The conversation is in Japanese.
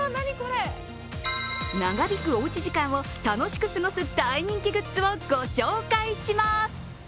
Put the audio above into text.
長引くおうち時間を楽しく過ごす大人気グッズをご紹介します。